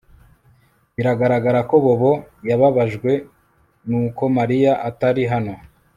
Biragaragara ko Bobo yababajwe nuko Mariya atari hano